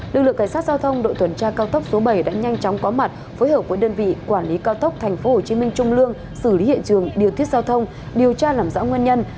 lực lượng cảnh sát giao thông đội tuần tra cao tốc số bảy đã nhanh chóng có mặt phối hợp với đơn vị quản lý cao tốc tp hcm trung lương xử lý hiện trường điều tiết giao thông điều tra làm rõ nguyên nhân